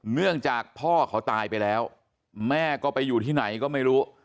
เนื่องจากพ่อเขาตายไปแล้วแม่ก็ไปอยู่ที่ไหนก็ไม่รู้